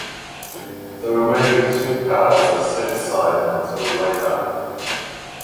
The remaining two cards are set aside until later.